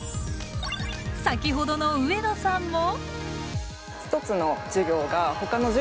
先ほどの上野さんも。